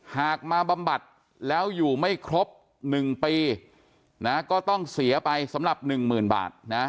หากมาบำบัดแล้วอยู่ไม่ครบ๑ปีนะก็ต้องเสียไปสำหรับ๑๐๐๐บาทนะ